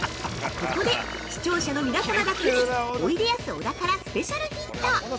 ◆ここで視聴者の皆様だけにおいでやす小田からスペシャルヒント。